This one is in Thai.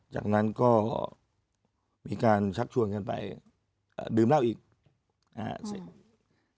จากนั้นก็มีการชักชวนกันไปดื่มเหล้าอีกนะฮะเสร็จ